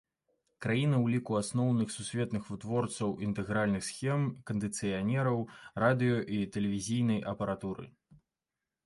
Краіна ў ліку асноўных сусветных вытворцаў інтэгральных схем, кандыцыянераў, радыё- і тэлевізійнай апаратуры.